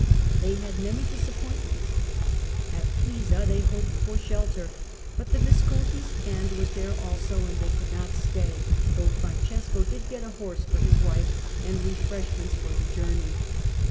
They had many disap pointments. At Pisa they hoped for shelter, but the Visconti's hand was there also, and they could not stay, though Francesco did get a horse for his wife and re freshments for the journey.